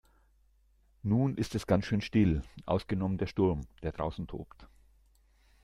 Nun ist es ganz schön still, ausgenommen der Sturm, der draußen tobt.